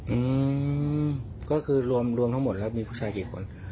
อืมก็คือรวมรวมทั้งหมดแล้วมีผู้ชายกี่คน